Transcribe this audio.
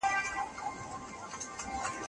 څنګه کېدای سي د ټولني ذهنونه د رڼا پر لور رهبري سي؟